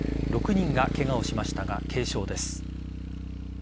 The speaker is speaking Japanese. ６人がケガをしましたが軽傷です。